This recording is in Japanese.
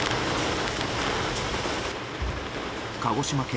鹿児島県